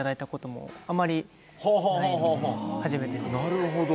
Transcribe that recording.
なるほど。